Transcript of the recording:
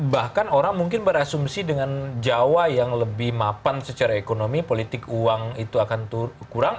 bahkan orang mungkin berasumsi dengan jawa yang lebih mapan secara ekonomi politik uang itu akan kurang